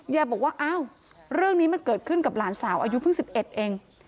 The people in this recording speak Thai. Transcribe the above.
บอกว่าอ้าวเรื่องนี้มันเกิดขึ้นกับหลานสาวอายุเพิ่ง๑๑เอง